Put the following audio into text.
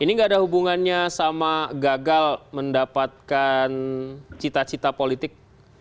ini gak ada hubungannya sama gagal mendapatkan cita cita politik